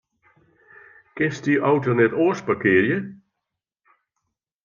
Kinst dy auto net oars parkearje?